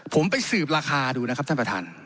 ผมไปสืบราคาดูนะครับท่านประธาน